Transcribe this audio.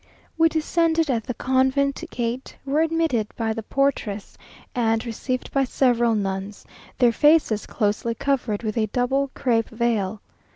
We descended at the convent gate, were admitted by the portress, and received by several nuns, their faces closely covered with a double crape veil.